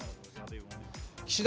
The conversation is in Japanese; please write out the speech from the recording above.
岸田